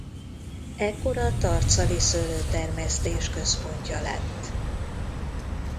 Ekkor a tarcali szőlőtermesztés központja lett.